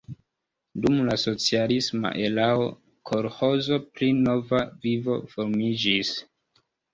Dum la socialisma erao kolĥozo pri Nova Vivo formiĝis.